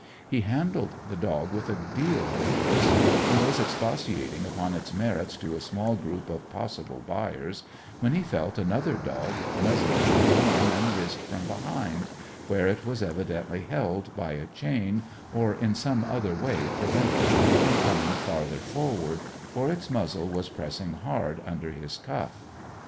He handled the dog with a deal of interest, and was expatiating upon its merits to a small group of possible buyers when he felt another dog nuzzling his arm and wrist from behind, where it was evidently held by a chain, or in some other way prevented from coming farther forward, for its muzzle was pressing hard under his cuff.